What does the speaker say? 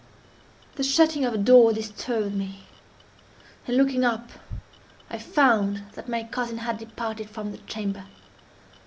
The shutting of a door disturbed me, and, looking up, I found that my cousin had departed from the chamber.